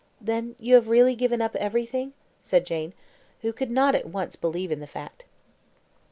Then you have really given up everything?" said Jane, who could not at once believe in the fact.